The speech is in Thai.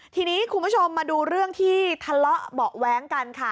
ทีนี้คุณผู้ชมมาดูเรื่องที่ทะเลาะเบาะแว้งกันค่ะ